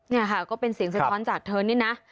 นี่ค่ะก็เป็นเสียงสะท้อนจากเธอนี่นะ